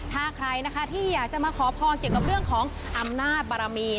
ถ้าใครนะคะที่อยากจะมาขอพรเกี่ยวกับเรื่องของอำนาจบารมี